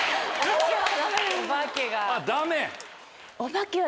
お化けが。